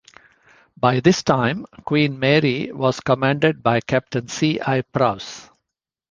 By this time, "Queen Mary" was commanded by Captain C. I. Prowse.